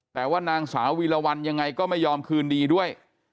แต่ว่านางสาววีรวรรณยังไงก็ไม่ยอมคืนดีด้วย